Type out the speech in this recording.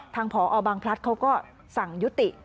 ผอบางพลัดเขาก็สั่งยุติ